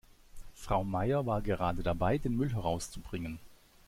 Frau Meier war gerade dabei, den Müll herauszubringen.